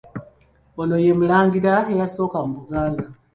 Ono ye Mulangira eyasooka mu Buganda.